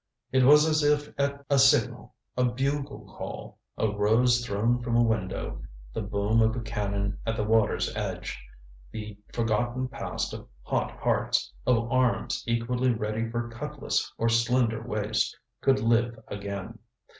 It was as if at a signal a bugle call, a rose thrown from a window, the boom of a cannon at the water's edge the forgotten past of hot hearts, of arms equally ready for cutlass or slender waist, could live again.